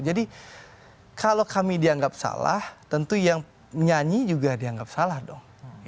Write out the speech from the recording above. jadi kalau kami dianggap salah tentu yang nyanyi juga dianggap salah dong